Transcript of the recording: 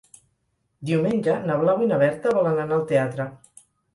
Diumenge na Blau i na Berta volen anar al teatre.